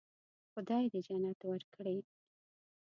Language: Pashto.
خدای دې جنت ورکړي.